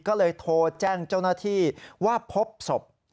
ก็เลยโทรแจ้งเจ้าหน้าที่ว่าพบศพ